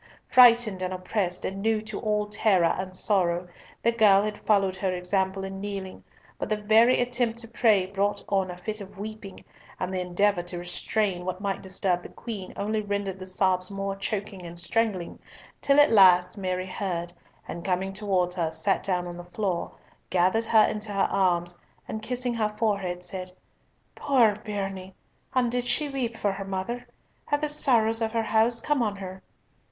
Frightened and oppressed, and new to all terror and sorrow, the girl had followed her example in kneeling, but the very attempt to pray brought on a fit of weeping, and the endeavour to restrain what might disturb the Queen only rendered the sobs more choking and strangling, till at last Mary heard, and coming towards her, sat down on the floor, gathered her into her arms, and kissing her forehead, said, "Poor bairnie, and did she weep for her mother? Have the sorrows of her house come on her?"